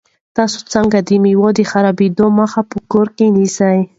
تاسو څنګه د مېوو د خرابېدو مخه په کور کې نیسئ؟